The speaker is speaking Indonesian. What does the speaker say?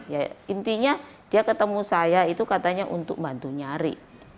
ya intinya dia ketemu saya itu katanya untuk bantu nyari